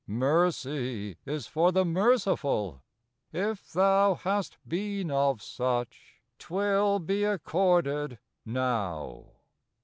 Mercy is for the merciful! if thou Hast been of such, 'twill be accorded now.